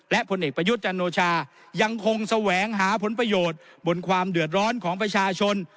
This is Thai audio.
และผลเอกประยุทธ์จันโอชายังคงแสวงหาผลประโยชน์บนความเดือดร้อนของประชาชน